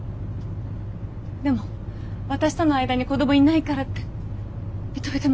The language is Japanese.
でも私との間に子供いないからって認めてもらえないんです。